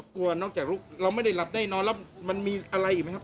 นอกจากลูกเราไม่ได้หลับได้นอนแล้วมันมีอะไรอีกไหมครับ